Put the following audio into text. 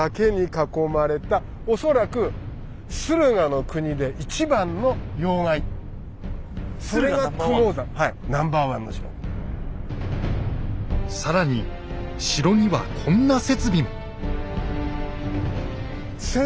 恐らく更に城にはこんな設備も。